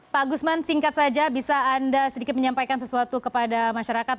pak gusman singkat saja bisa anda sedikit menyampaikan sesuatu kepada masyarakat